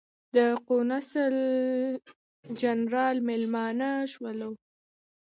د قونسل جنرال مېلمانه شولو.